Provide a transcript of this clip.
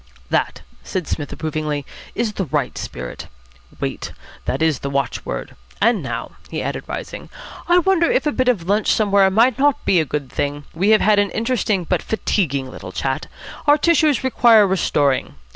"That," said Psmith approvingly, "is the right spirit. Wait. That is the watch word. And now," he added, rising, "I wonder if a bit of lunch somewhere might not be a good thing? We have had an interesting but fatiguing little chat. Our tissues require restoring.